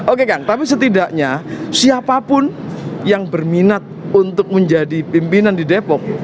oke kang tapi setidaknya siapapun yang berminat untuk menjadi pimpinan di depok